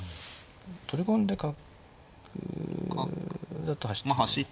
取り込んで角だと走って。